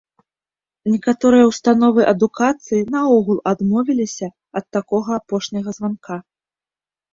Некаторыя установы адукацыі наогул адмовіліся ад такога апошняга званка.